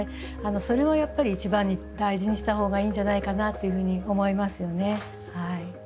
それはやっぱり一番に大事にした方がいいんじゃないかなっていうふうに思いますよね。